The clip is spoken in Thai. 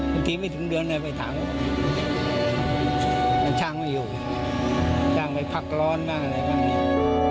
ไม่ถึงเดือนเลยไปถังมันช่างไม่อยู่ช่างไปพักร้อนบ้างอะไรบ้างเนี่ย